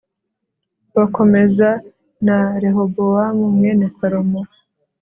bakomeza na rehobowamu mwene salomo